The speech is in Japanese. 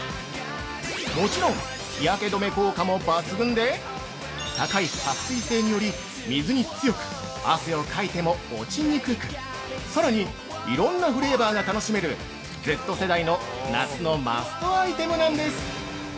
もちろん日焼け止め効果も抜群で高いはっ水性により水に強く汗をかいても落ちにくくさらに、いろんなフレーバーが楽しめるＺ世代の夏のマストアイテムなんです。